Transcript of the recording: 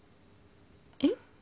えっ？